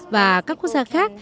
và các quốc gia khác